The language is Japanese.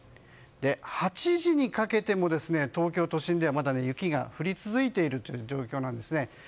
８時にかけても東京都心ではまだ雪が降り続いている状況です。